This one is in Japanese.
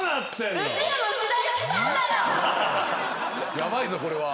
ヤバいぞこれは。